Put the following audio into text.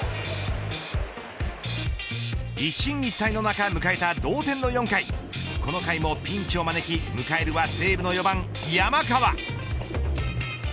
一進一退の中、迎えた同点の４回この回もピンチを招き迎えるは西武の４番、山川。